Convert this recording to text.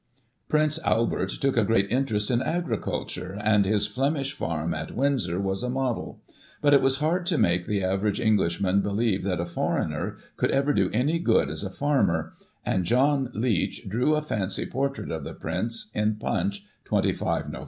Prince Albert took a great interest in Agriculture, and his Flemish Farm at Windsor was a model ; but it was hard to make the average Englishman believe that a foreigner could ever do any good as a Farmer, and John Leech drew a fancy Prince Albert, the British Farmer. portrait of the prince in "Punch, 25 Nov.